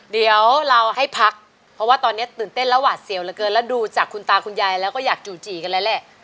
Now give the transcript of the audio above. เดี๋ยวเราให้พักเพราะว่าตอนนี้ตื่นเต้นและหวาดเสียวเหลือเกินแล้วดูจากคุณตาคุณยายแล้วก็อยากจู่จี่กันแล้วแหละ